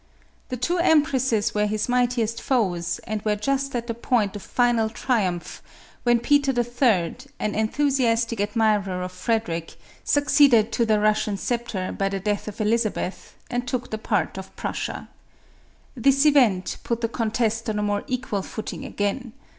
The two empresses were his mightiest foes, and were just at the point of final triumph, when Peter the Third, an enthusiastic ad mirer of Frederic, succeeded to the Russian sceptre, by the death of Elizabeth, and took the part of Prussia. This event put the contest on a more equal footing again.